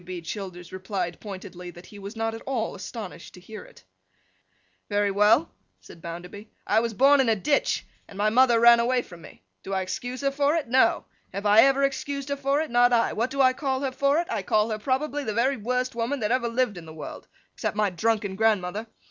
W. B. Childers replied pointedly, that he was not at all astonished to hear it. 'Very well,' said Bounderby. 'I was born in a ditch, and my mother ran away from me. Do I excuse her for it? No. Have I ever excused her for it? Not I. What do I call her for it? I call her probably the very worst woman that ever lived in the world, except my drunken grandmother.